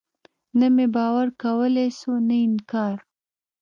نه مې باور کولاى سو نه انکار.